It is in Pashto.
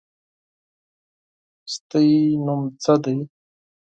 ستاسو نوم څه دی؟